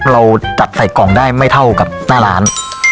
เราจัดใส่กล่องได้ไม่เท่ากับหน้าร้าน